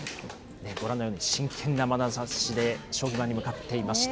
ご覧のように真剣なまなざしで将棋盤に向かっていました。